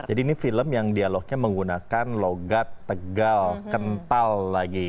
jadi ini film yang dialognya menggunakan logat tegal kental lagi